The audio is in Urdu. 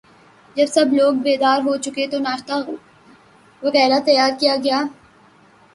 جب سب لوگ بیدار ہو چکے تو ناشتہ وغیرہ تیار کیا گیا